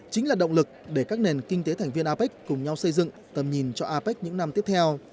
chính là động lực để các nền kinh tế thành viên apec cùng nhau xây dựng tầm nhìn cho apec những năm tiếp theo